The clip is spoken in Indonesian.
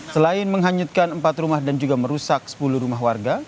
selain menghanyutkan empat rumah dan juga merusak sepuluh rumah warga